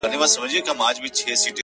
بس ژونده همدغه دی!! خو عیاسي وکړه!!